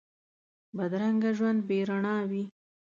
بدرنګه ژوند بې روڼا وي